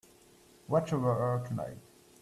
Watch over her tonight.